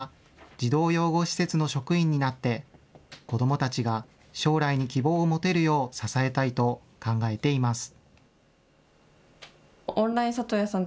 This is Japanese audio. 卒業後は児童養護施設の職員になって子どもたちが将来に希望を持てるよう支えたいと考えています。